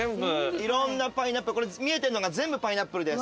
いろんなパイナップルこれ見えてんのが全部パイナップルです。